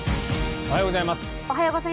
おはようございます。